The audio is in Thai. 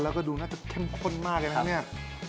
แล้วก็ดูน่าจะเข้มข้นมากเลยนะครับเนี่ย